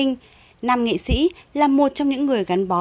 nam nghệ sĩ là một trong những người gắn bó